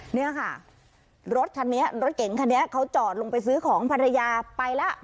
เนี่ยค่ะรถคันนี้รถเก๋งคันนี้เขาจอดลงไปซื้อของภรรยาไปแล้ว